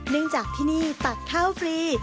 เนื่องจากที่นี่ตักข้าวฟรี